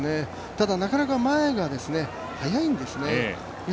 ただ、なかなか前が速いんですね。